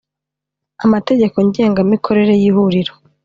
amategeko Ngengamikorere y Ihuriro